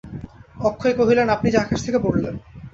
অক্ষয় কহিলেন, আপনি যে আকাশ থেকে পড়লেন!